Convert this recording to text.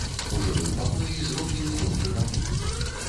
У жылым пакоі зроблены добры рамонт.